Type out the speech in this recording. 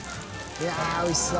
いやおいしそう。